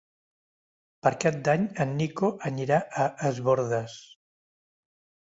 Per Cap d'Any en Nico anirà a Es Bòrdes.